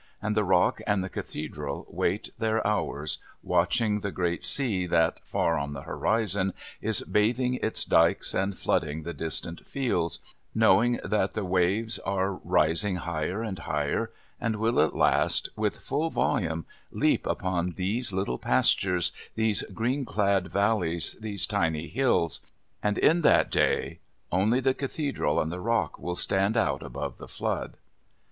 and the Rock and the Cathedral wait their hours, watching the great sea that, far on the horizon, is bathing its dykes and flooding the distant fields, knowing that the waves are rising higher and higher, and will at last, with full volume, leap upon these little pastures, these green clad valleys, these tiny hills. And in that day only the Cathedral and the Rock will stand out above the flood.